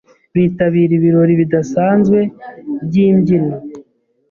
bitabira ibirori bidasanzwe by'imbyino,